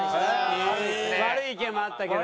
悪い意見もあったけど。